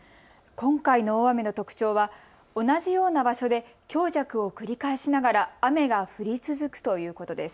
今回の大雨の特徴は同じような場所で強弱を繰り返しながら雨が降り続くということです。